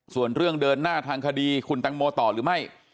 ส่วนเรื่องเดินหน้าทางคดีคุณตังโมต่อหรือไม่